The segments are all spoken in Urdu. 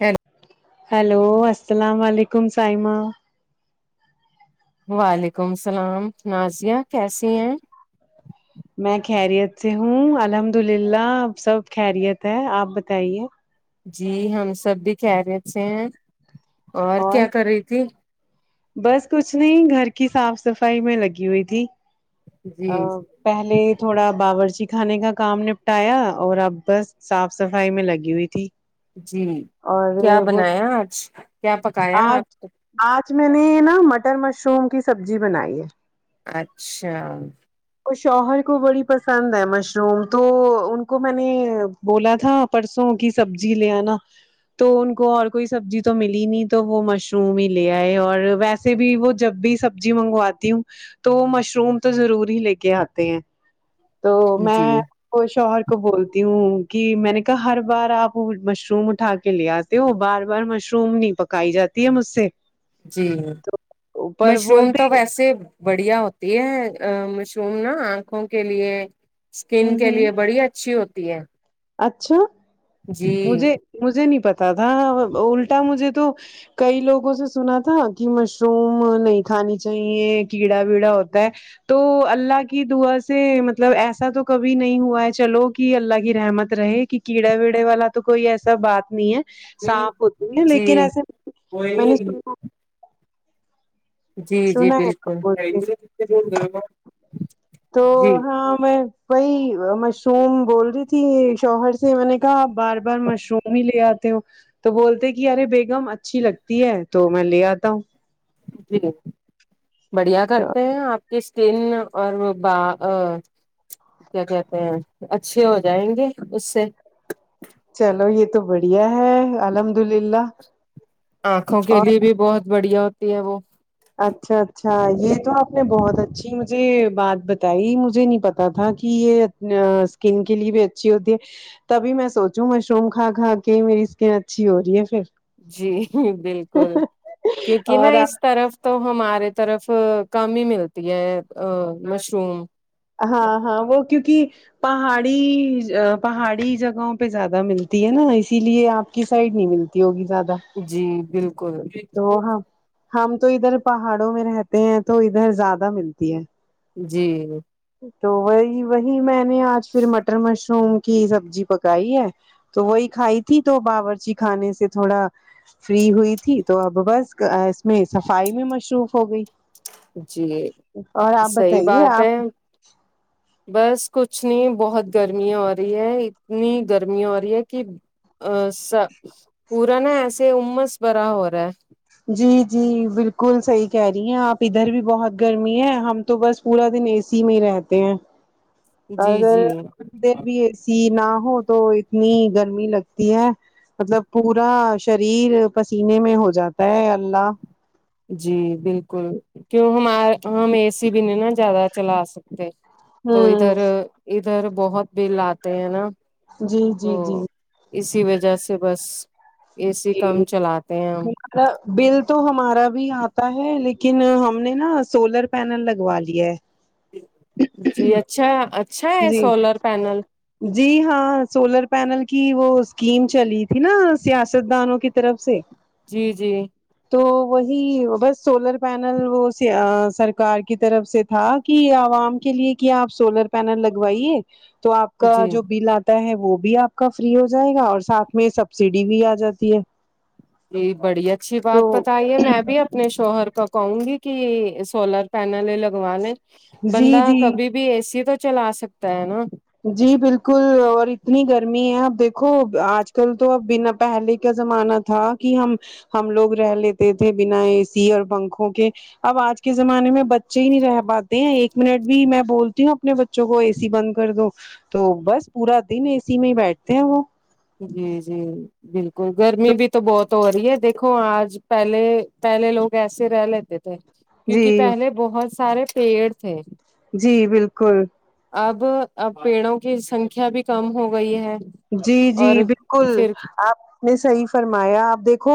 ہی نا ہیلو السلام علیکم صائمہ وعلیکم السلام نازیہ کیسی ہیں میں خیریت سے ہوں الحمد للہ سب خیریت ہے آپ بتائیے جی ہم سب بھی کہریت سے ہیں اور کیا کر رہی تھی بس کچھ نہیں گھر کی صاف صفائی میں لگی ہوئی تھی جی ا پہلے تھوڑا باورچی خانے کا کام نپٹایا اور اب بس صاف صفائی میں لگی ہوئی تھی جی اور کیا وہ بنایا آج کیا پکایا آج آپ آج میں نے نا مٹر مشروم کی سبزی بنائی ہے اچھا اور شوہر کو بڑی پسند ہے مشروم تو ان کو میں نے بولا تھا پرسوں کی سبزی لے آ نا تو ان کو اور کوئی سبزی تو ملی نہیں تو وہ مشروم ہی لے آئے اور ویسے سے بھی وہ جب بھی سبزی منگواتی ہوں تو وہ مشروم تو ضرور ہی لے کے آتے ہیں تو جی میں تو شوہر کو بولتی ہوں کہ میں نے کہا ہر بار آپ مشروم اٹھا کے لے آتے ہو بار بار مشروم نہیں پکائی جاتی ہے مجھ سے جی اوپر مشروم تو بولتے ویسے بڑھیا ہوتی ہے مشروم نا آنکھوں کے لیے ہ اسکن کے ہ لیے بڑی اچھی ہوتی ہے اچھا جی مجھے مجھے نہیں پتا تھا الٹا مجھے تو کئی لوگوں سے سنا تھا کہ مشروم نہیں کھانی چاہیے کیڑا ویڈا ہوتا ہے تو اللہ کی دعا سے مطلب ایسا تو کبھی نہیں ہوا ہے چلو کہ اللہ کی رحمت رہے کہ کیڑے ویڑے والا تو کوئی ایسا بات نہیں ہے جی صاف ہوتے ہیں جی لیکن ایسے میں نے جی سنا سنا ہے بالکل تو بتے تو جی ہاں میں وہی مشروم بول رہی تھی شوہر سے میں نے کہاپ بار بار مشروم ہی لے آتے ہو تو بولتے کہ ارے بیگم اچھی لگتی ہے تو میں لے آتا ہوں جی [unintelligible] بڑھیا کرتے ہیں آپ کی اسکن اور کیا کہتے ہیں اچھے ہو جائیں گے اس سے چلو یہ تو بڑھیا ہے الحمد للہ آنکھوں کے اور لیے بھی بہت بڑھیا ہوتی ہے وہ اچھا اچھا یہ تو آپ نے بہت اچھی مجھے بات بتائی مجھے نہیں پتا تھا کہ یہ ا اسکن کے لیے بھی اچھی ہوتی ہے تبھی میں سوچوں مشروم کھا کھا کے میری اسکن اچھی ہو رہی ہے پھر جی بالکل کیونکہ نا اور اس طرف تو ہمارے طرف کم ہی ملتی ہے ا مشروم ہاں ہاں وہ کیونکہ پہاڑی پہاڑی جگہوں پہ زیادہ ملتی ہے نا اسی لیے آپ کی سائڈ نہیں ملتی ہوگی زیادہ جی بالکل تو ہاں ہم تو ادھر پہاڑوں میں رہتے ہیں تو ادھر زیادہ ملتی ہے جی تو وہی وہی میں نے آج پھر مٹن مشر مشروم کی سبزی پکائی ہے تو وہی کھائی تھی تو باورچی خانے سے تھوڑا فری ہوئی تھی تو اب بس اس میں صفائی بھی مصروف ہو گئی جی اور آپ صحیح بتائیے بات آپ ہے بس کچھ نہیں بہت گرمی ہو رہی ہے اتنی گرمی ہو رہی ہے کہ ا سب پورا نا ایسے امس بھرا ہو رہا ہے جی جی بالکل صحیح کہہ رہی ہیں آپ ادھر بھی بہت گرمی ہے ہم تو بس پورا دن اے سی میں ہی رہتے ہیں ہے اور جی وہ جی ادھر بھی اے سی نہ ہو تو اتنی گرمی لگتی ہے مطلب پورا شریر پسینے میں ہو جاتا ہے اللہ جی بالکل کیوں ہم ہم اے سی بھی نہیں نا زیادہ چلا سکتے تو ہوں ادھر ادھر بہت بل آتے ہیں نا جی تو جی جی اسی وجہ سے بس اے سی جی کم چلاتے ہیں ہم ہمارا بل تو ہمارا بھی آتا ہے لیکن ہم نے نا سولر پینل لگوا لیا ہے جی اچھا اچھا ہے جی سولر پینل جی ہاں سولر پینل کی وہ اسکیم چلی تھی نا سیاست دانوں کی طرف سے جی جی تو وہی بس سولر پینل وہ سیاہ سرکار کی طرف سے تھا کہ عوام کے لیے کیا اپ سولر پینل لگوائیے تو اپ کا جی جو بل اتا ہے وہ بھی اپ کا فری ہو جائے گا اور ساتھ میں سبسڈی بھی ا جاتی ہے یہی بڑی اچھی تو بات بتائیے میں اب اپنے شوہر کا کہوں گی کہ سولر پینل لگوالے جی بندہ جی کبھی بھی اے سی تو چلا سکتا ہے نا جی بالکل اور اتنی گرمی ہے اب دیکھو اج کل تو اب بنا پہلے کا زمانہ تھا کہ ہم ہم لوگ رہ لیتے تھے بنا اے سی اور پنکھوں کے اب آج کے زمانے میں بچے ہی نہیں رہ پاتے ہیں ایک منٹ بھی میں بولتی ہوں اپنے بچوں کو اے سی بند کر دو تو بس پورا دن اے سی میں ہی بیٹھتے ہے وہ جی جی بالکل گرمی بھی تو بہت ہو رہی ہے دیکھو اج پہلے پہلے لوگ ایسے رہ لیتے رہتے تھے جی کیوکہ پہلے بہت سارے پیڑ تھے جی بالکل اب اب پیڑوں کی سنکھیا بھی کم ہو گئی ہے جی جی اور بالکل پھر اپ نے صحیح فرمایا اپ دیکھو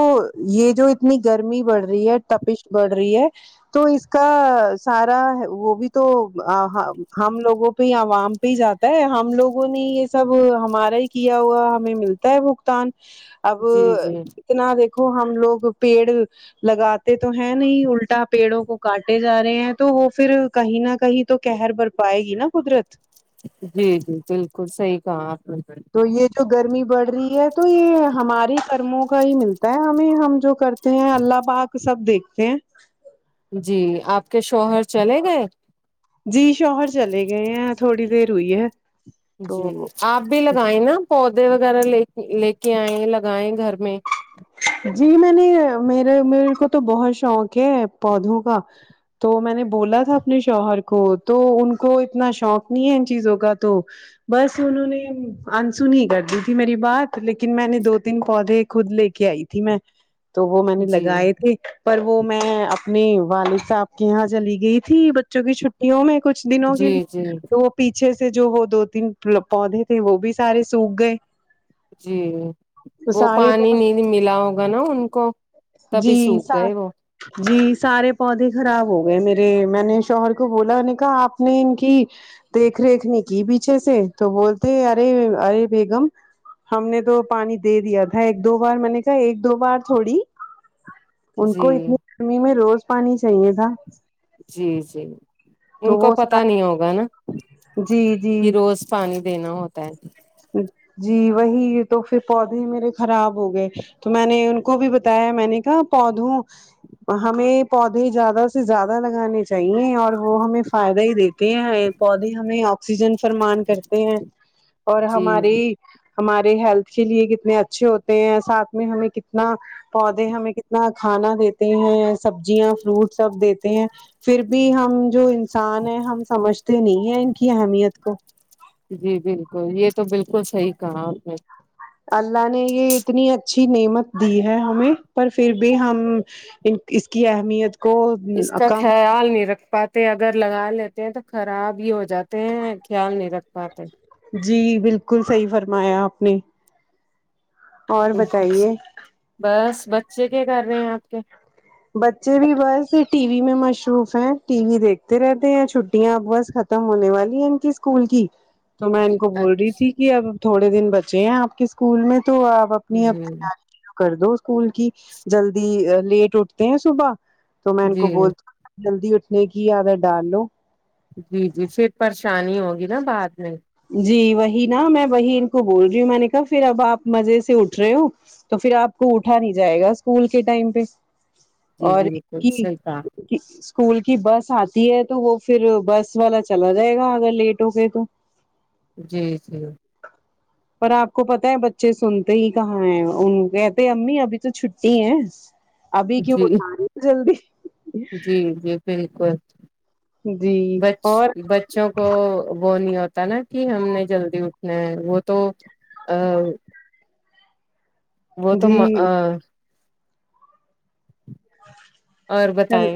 یہ جو اتنی گرمی بڑھ رہی ہے تپش بڑھ رہی ہے تو اس کا سارا وہ بھی تو ہم لوگوں پہ عوام بھی جاتا ہے ہم لوگوں نے یہ سب ہمارے نی کیا ہوا ہمیں ملتا ہے بگتان اب جی جی اتنا دیکھو ہم لوگ پیڑ لگاتے تو ہے نہیں الٹا پیڑوں کو کاٹے جا رہے ہیں تو وہ پھر کہیں نہ کہیں تو قہر بھر پائیں گی نہ قدرت جی جی بالکل صحیح کہا اپ نے تو یہ جو گرمی بڑھ رہی ہے تو یہ ہمارے کرموں کا ہی ملتا ہے ہمیں ہم جو کرتے ہے اللہ پاک سب دیکھتے ہیں جی اپ کے شوہر چلے گئے جی شوہر چلے گئے ہے تھوڑی دیر ہوئی ہے جی تو اپ بھی لگائیں نا پودے وغیرہ لے کے ائی لگائیں گھر میں جی میں نے میرے میرے کو تو بہت شوق ہے پودوں کا تو میں نے بولا تھا اپنے شوہر کو تو ان کو اتنا شوق نہیں ہے ان چیزوں کا تو بس انہوں نے انسو نہیں کردی تھی میری بات لیکن میں نے دو تین کو دی خود لے کے کے ائی تھی میں تو وہ میں نے جی لگائے تھے پر وہ میں اپنے والد صاحب کے یہاں چلی گئی تھی بچوں کی چھو یو میں کچھ دنوں کے جی لیے جی تو پیچھے سے جو وہ دو تین پودے تھے وہ بھی سارے سوکھ گئے جی تو وہ سارے پانی نہیں ملا ہوگا نا ان کو تبھی جی سوکھ سات گئے وہ جی سارے پودے خراب ہو گئے میرے میں نے شوہر کو بولا انہوں نے کہا اپ نے ان کی دیکھ ریکھ نے کی پیچھے سے تو بولتے ارے ارے بیگم ہم نے تو پانی دے دیا تھا ایک دو بار میں نے کہ ایک دو بار تھوڑی ان جی کو اتنی گرمی میں روز پانی چاہیے تھا جی جی ان تو کو وہ سارے پتا نہیں ہوگا نا جی جی کہ روز پانی دینا ہوتا ہے پا جی وہی تو پھر پودے میرے خراب ہو گئے تو میں نے ان کو بھی بتایا میں نے کہ پودوں ہمیں پودے زیادہ سے زیادہ لگانے چاہیے اور وہ ہمیں فائدہ ہی دیتے ہیں پودے ہمیں اکسیجن فرمان کرتے ہیں اور جی ہماری ہمارے ہیلتھ کے لیے کتنے اچھے ہوتے ہیں ساتھ میں ہمیں کتنا پودے ہمیں کتنا کھانا دیتے ہیں سبزیاں فروٹ سب دیتے ہیں پھر بھی ہم جو انسان ہیں ہم سمجھتے نہیں ہیں ان کی اہمیت کو جی بالکل یہ تو بالکل صحیح کہا اپ نے اللہ نے یہ اتنی اچھی نعمت دی ہے ہمیں پر پھر بھی ہم ان اس کی اہمیت کو اس کا کم خیال نہیں رکھ پا اگر لگا لیتے ہیں تو خراب ہی ہو جاتے ہیں خیال نہیں رکھ پاتے جی بالکل صحیح فرمایا اپ نے اور بتائیے بس بچے کیا کر رہے ہیں اپ کے بچے بھی بس ٹی وی میں مشروف ہیں ٹی وی دیکھتے رہتے ہیں چھٹیاں اب بس ک ختم ہونے والی ہے ان کی اسکول کی تو میں جی ان کو بول رہی تھی کہ اب تھوڑے دن بچے ہیں اپ کے اسکول میں تو اپ اپنی اب کر دو اسکول کی جلدی لیٹ اٹھتے ہیں صبح تو میں ان کو جی بولتی ہوں جلدی اٹھنے کی عادت ڈال لو جی جی پھر پریشانی ہوگی نا بعد میں جی وہی نا میں وہی ان کو بول رہی ہوں میں نے کہا پھر اب اپ مزے سے اٹھ رہے ہو تو پھر اپ کو اٹھا نہیں جائے گا اسکول کے ٹائم پہ جی اور بالکل کی صحیح کہا کہ اسکول کی بس اتی ہے تو وہ پھر بس والا چلا جائے گا اگر لیٹ ہو گئے تو جی جی پر اپ کو پتا ہے بچے سنتے ہی کہاں ہیں ان کو کہتے امی ابھی تو چھٹی ہے ابھی کیوں جی اھ رہی ہے جلدی جی جی بالکل جی بچ اور بچ بچوں کو وہ نہیں ہوتا نا کہ ہم نے جلدی اٹھنا ہے وہ تو ا وہ تو جی اور بتائ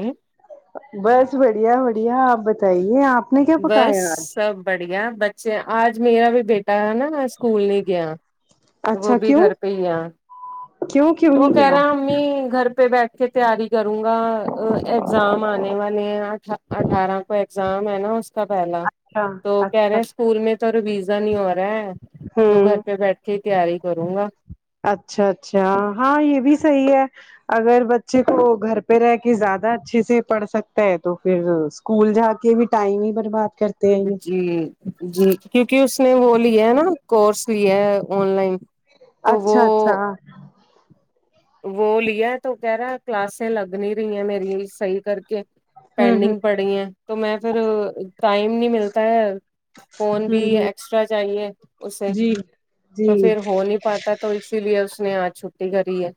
بس بڑھیا بڑھیا اپ بتائیے اپ نے کیا بس پکایا اج سب بڑھیا بچے اج میرا بھی بیٹا ہے نا اسکول نہیں گیا وہ اچھا بھی کیوں گھر پہ ہی یہ کیوں کیوں وہ نہیں کہہ گیا رہا امی گھر پہ بیٹھ کے تیاری کروں گا ایگزام انے اٹھارہ کو ایگزام ہے نا اس کا پہلا تو اچھا کہہ اچھا رہے اسکول میں تو رویزا نہیں ہو رہا ہے تو گھر ہوں پہ بیٹھ کے ہی تیاری کروں گا اچھا اچھا ہاں یہ بھی صحیح ہے اگر بچے کو گھر پہ رہ کے زیادہ اچھے سے پڑھ سکتا ہے تو پھر اسکول جا کے بھی ٹائم ہی برباد کرتے ہیں یہ جی جی کیونکہ اس نے وہ لیا ہے نا کورس لیا ہے ان لائن تو وہ اچھا اچھا وہ لیا تو کہہ رہا ہے کلاسیں لگ نہیں رہی ہیں میری صحیح کر کے ہوں ہوں پینڈنگ پڑ رہی ہیں تو میں پھر ٹائم نہیں ملتا ہے فون بھی ہوں ہوں ایکسٹرا چاہیے اسے جی جی تو پھر ہو نہیں پاتا تو اسی لیے اس نے اج چھٹی کری ہے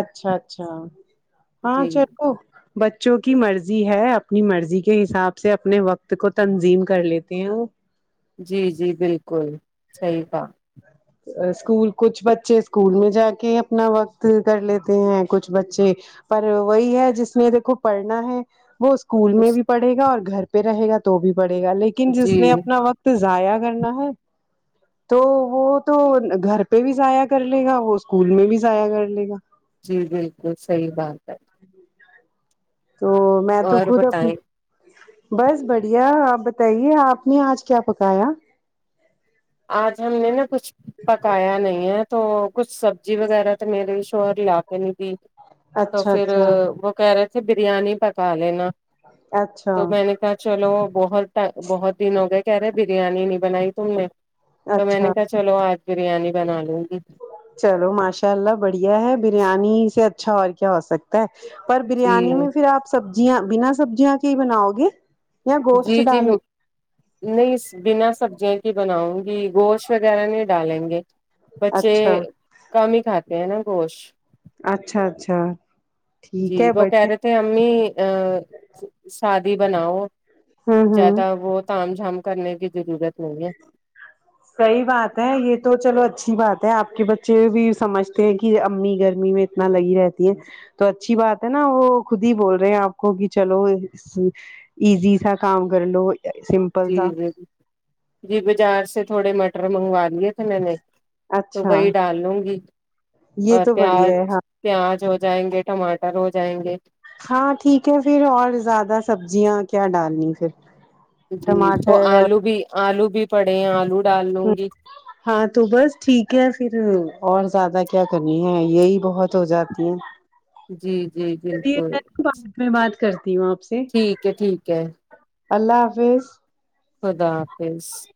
اچھا اچھا ہاں جی چلو بچوں کی مرضی ہے اپنی مرضی کے حساب سے اپنے وقت کو تنظیم کر لیتے ہیں وہ جی جی بالکل صحیح کھا اسکول کچھ بچے اسکول میں جا کے اپنا وقت کر لیتے ہیں کچھ بچے پر وہی ہے جس نے دیکھو پڑھنا ہے وہ اس اسکول میں اس بھی پڑھے گا گا اور گھر پہ رہے گا تو بھی پڑھے گا لیکن جس جی نے اپنا وقت ضاع کرنا ہے تو وہ تو گھر پہ بھی ضائع کر لے گا وہ اسکول میں بھی ضائع کر لے گا جی بالکل صحیح بات ہے تو میں تو اور خود بتائیں اپنی بس بڑھیا آپ بتائیے آپ نے آج کیا پکایا آج ہم نے نا کچھ پکایا نہیں ہے تو کچھ سبزی وغیرہ تو میرے شوہر لا کے نہیں دی تو اچھا پھر اچھا وہ کہرہے تھے بریانی پکا لینا اچھا تو میں نے کہا چلو بہت بہت دن ہو گئے کہہ رہے ہیں بریانی نہیں بنائی تم نے تو میں اچھا نے کہا چلو آج بریانی بنا لوں گی چلو ماشاءاللہ بڑھیا ہے بریانی سے اچھا اور کیا ہو سکتا پر جی بریانی میں پھر آپ سبزیاں بنا سبزیاں کے ہی بناؤ گے یا جی گوشت جی ڈالو نہیں بنا سبزیاں کی بناؤں گی گوشت وغیرہ نہیں ڈالیں گے گے؟ بچے اچھا کم ہی کھاتے ہیں نا گوشت اچھا اچھا جی ٹھیک ہے وہ کہہ بڑھیا رہے تھے امی ا سادی بناؤ ہوں ہوں زیادہ وہ تام جھام کرنے کی ضرورت نہیں ہے صحیح بات ہے یہ تو چلو اچھی بات ہے آپ کے بچے بھی سمجھتے ہیں کہ امی گرمی میں اتنا لگی رہتی ہے تو اچھی بات ہے نا وہ خود ہی بول رہے ہیں آپ کو کہ چلو ایزی سا کام کر لو جی سا جی جی بازار سے تھوڑے مٹر منگوا لیے تو اچھا وہی ڈالنگی گی یہ اور تو پیاز بڑھیا ہے ہاں پیاز ہو جائیں گے ٹماٹر ہو جائیں گے ہاں ٹھیک ہے پھر اور زیادہ سبزیاں کیا ڈالنی پھر جی تو ٹماٹر آلو اور بھی آلو بھی پڑے ہیں آلو ڈال لوں گی ہاں تو بس ٹھیک ہے پھر اور زیادہ کیا کرنی ہے یہی بہت ہو جاتی ہیں جی جی بالکل بات میں بات کرتی ہوں آپ سے ٹھیک ہے ٹھیک ہے اللہ حافظ خدا حافظ